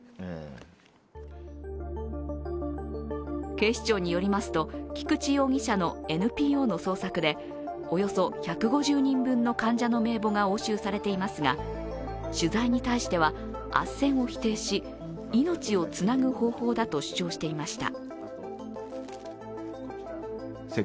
警視庁によりますと、菊池容疑者のＮＰＯの捜索でおよそ１５０人分の患者の名簿が押収されていますが取材に対しては、あっせんを否定し命をつなぐ方法だと主張していました。